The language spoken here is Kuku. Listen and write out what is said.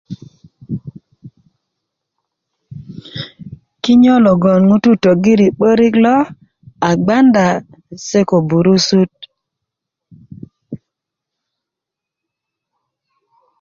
kinyö logon ŋutu tögiri 'börik lo a bganda se ko burusut